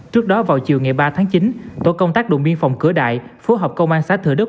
trước đó vào chiều ngày ba tháng chín tổ công tác đùm biên phòng cửa đại phối hợp công an xã thừa đức